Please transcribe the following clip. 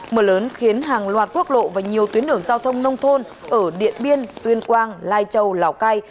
mưa lớn khiến hàng loạt quốc lộ và nhiều tuyến đường giao thông nông thôn ở điện biên tuyên quang lai châu lào cai